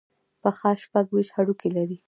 پښه شپږ ویشت هډوکي لري.